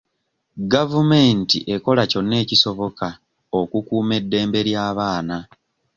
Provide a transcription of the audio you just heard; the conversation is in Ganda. Gavumenti ekola kyonna ekisoboka okukuuma eddembe ly'abaana.